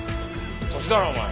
年だろお前。